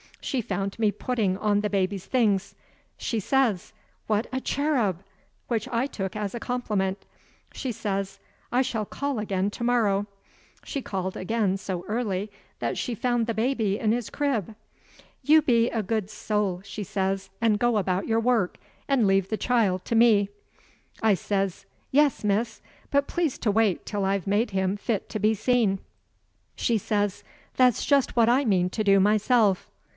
She found me putting on the baby's things. She says: 'What a cherub!' which I took as a compliment. She says: 'I shall call again to morrow.' She called again so early that she found the baby in his crib. 'You be a good soul,' she says, 'and go about your work, and leave the child to me.' I says: 'Yes, miss, but please to wait till I've made him fit to be seen.' She says: 'That's just what I mean to do myself.